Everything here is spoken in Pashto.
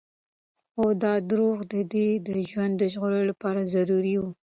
خو دا دروغ د ده د ژوند د ژغورلو لپاره ضروري وو.